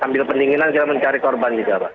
sambil pendinginan kita mencari korban juga pak